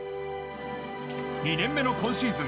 ２年目の今シーズン